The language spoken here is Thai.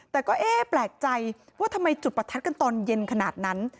แต่ก็เอ๊ะแปลกใจว่าทำไมจุดประทัดกันตอนเย็นขนาดนั้น